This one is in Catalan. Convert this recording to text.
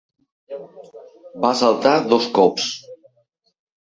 Va saltar dos cops.